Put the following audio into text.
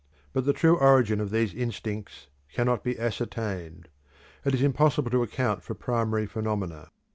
But the true origin of these instincts cannot be ascertained: it is impossible to account for primary phenomena.